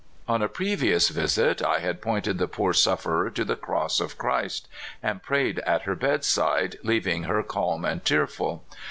On a previous visit I had pointed the poor sufferer to the cross of Christ, and prayed at her bedside, leaving her calm and tearful.